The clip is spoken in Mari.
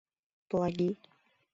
Плаги